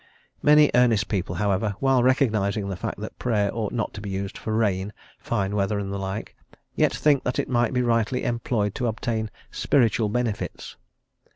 Many earnest people, however, while recognising the fact that Prayer ought not to be used for rain, fine weather, and the like, yet think that it may be rightly employed to obtain "spiritual benefits."